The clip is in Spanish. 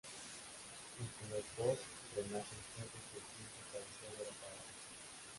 Entre los dos renace el fuego que el tiempo parecía haber apagado.